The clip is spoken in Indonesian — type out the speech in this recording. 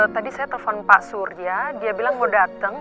tadi saya telepon pak surya dia bilang mau datang